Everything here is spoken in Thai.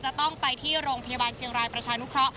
จะต้องไปที่โรงพยาบาลเชียงรายประชานุเคราะห